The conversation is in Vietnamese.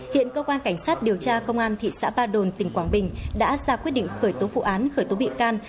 hiện cơ quan cảnh sát điều tra công an thị xã ba đồn tỉnh quảng bình đã ra quyết định khởi tố vụ án khởi tố bị can